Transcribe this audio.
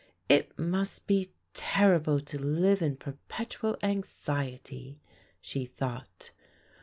"It must be terrible to live in perpetual anxiety," she thought.